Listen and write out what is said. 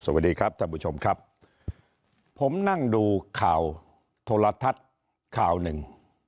สวัสดีครับท่านผู้ชมครับผมนั่งดูข่าวโทรทัศน์ข่าวหนึ่ง